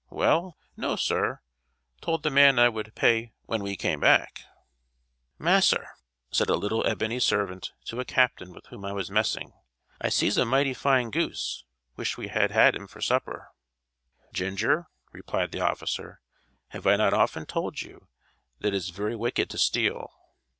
"Well, no, sir; told the man I would pay when we came back!" "Mass'r," said a little ebony servant to a captain with whom I was messing, "I sees a mighty fine goose. Wish we had him for supper." "Ginger," replied the officer, "have I not often told you that it is very wicked to steal?"